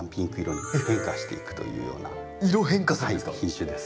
品種です。